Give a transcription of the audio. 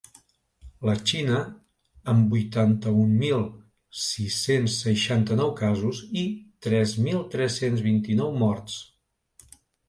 La Xina, amb vuitanta-un mil sis-cents seixanta-nou casos i tres mil tres-cents vint-i-nou morts.